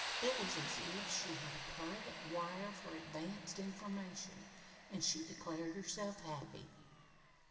It was as if she had a private wire for advance information and she declared herself happy.